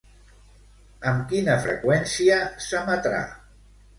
Amb quina freqüència s'emetrà?